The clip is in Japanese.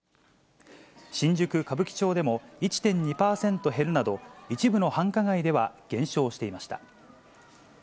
新宿・歌舞伎町でも１．２％減るなど、一部の繁華街では減少していました。